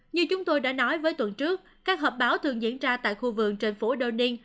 như chúng tôi đã nói với tuần trước các hợp báo thường diễn ra tại khu vườn trên phố đô niên